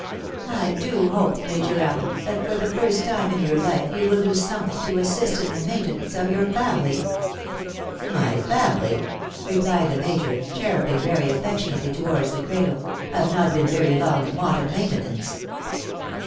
" I do hope. Major Allen, that for the first time in your life you win do something to assist in the maintenance of your family." " My family," rephed the Major, cherupping very affection ately towards the cradle, " have not been very long in want of maintenance."